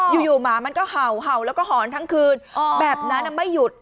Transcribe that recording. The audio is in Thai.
หมามันก็เห่าแล้วก็หอนทั้งคืนแบบนั้นไม่หยุด